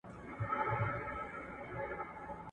په ساینسي څانګه کي څېړنه په ګډه ترسره کېږي.